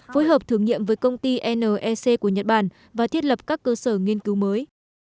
phối hợp thử nghiệm với công ty nec của nhật bản và thiết lập các cơ sở nghiên cứu mới